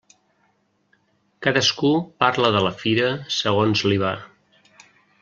Cadascú parla de la fira segons li va.